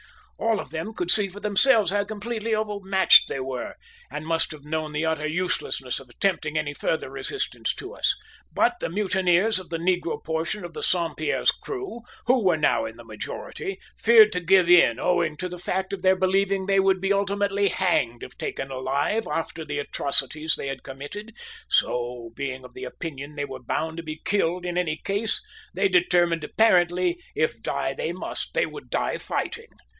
All of them could see for themselves how completely overmatched they were, and must have known the utter uselessness of attempting any further resistance to us; but the mutineers of the negro portion of the Saint Pierre's crew, who were now in the majority, feared to give in owing to the fact of their believing they would be ultimately hanged if taken alive after the atrocities they had committed; so being of the opinion they were bound to be killed in any case, they determined apparently, if die they must, they would die fighting.